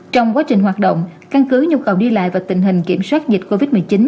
trong quá trình hoạt động căn cứ nhu cầu đi lại và tình hình kiểm soát dịch covid một mươi chín